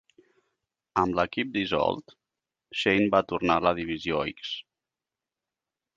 Amb l'equip dissolt, Shane va tornar a la Divisió X.